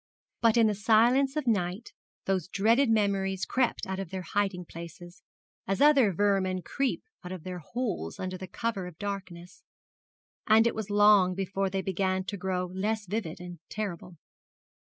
But in the silence of night those dreaded memories crept out of their hiding places, as other vermin creep out of their holes under cover of darkness, and it was long before they began to grow less vivid and less terrible.